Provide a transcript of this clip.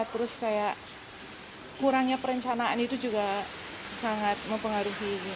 terus kayak kurangnya perencanaan itu juga sangat mempengaruhi